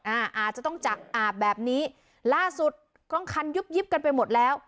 อาจจะต้องจักอาบแบบนี้ล่าสุดกล้องคันยุบยิบกันไปหมดแล้ว